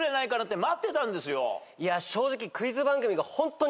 正直。